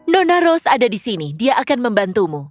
nona rose ada di sini dia akan membantumu